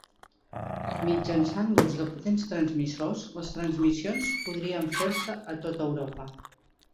Mitjançant l'ús de potents transmissors, les transmissions podrien fer-se a tota Europa.